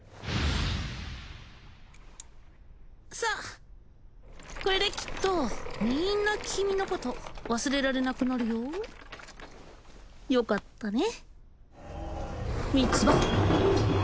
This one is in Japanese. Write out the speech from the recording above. さあこれできっとみーんな君のこと忘れられなくなるよよかったね